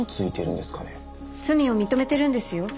罪を認めてるんですよ